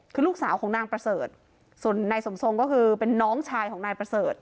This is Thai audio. คือลูกสาวของนางประเสริฐส่วนนายสมทรงก็คือเป็นน้องชายของนายประเสริฐ